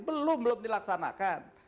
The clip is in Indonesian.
belum belum dilaksanakan